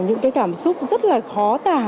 những cảm xúc rất là khó tả